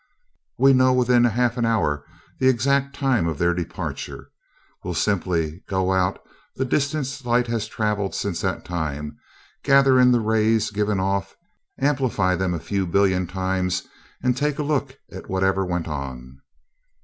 "We know within half an hour the exact time of their departure. We'll simply go out the distance light has traveled since that time, gather in the rays given off, amplify them a few billion times, and take a look at whatever went on."